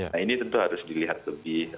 nah ini tentu harus dilihat lebih